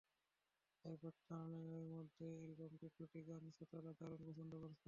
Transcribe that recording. আইয়ুব বাচ্চু জানালেন, এরই মধ্যে অ্যালবামটির দুটি গান শ্রোতারা দারুণ পছন্দ করেছেন।